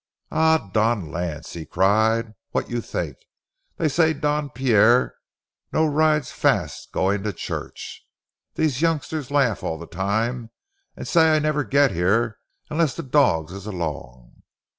"Ah, Don Lance," he cried, "vat you tink? Dey say Don Pierre no ride fas' goin' to church. Dese youngsters laff all time and say I never get here unless de dogs is 'long.